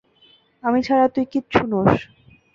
আমি ছাড়া তুই কিচ্ছু নোস।